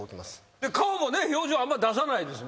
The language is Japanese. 顔も表情あんま出さないですもんね。